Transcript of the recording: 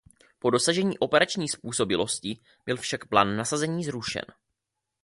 Po dosažení operační způsobilosti byl však plán nasazení zrušen.